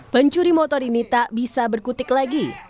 pencuri motor ini tak bisa berkutik lagi